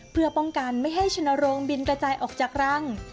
เพื่อป้องกันไม่ให้ชนโรงบินกระจายออกจากรัง